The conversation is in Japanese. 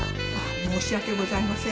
申し訳ございません。